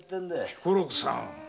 彦六さん